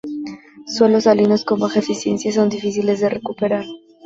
Suelos salinos con baja eficiencia son difíciles de recuperar.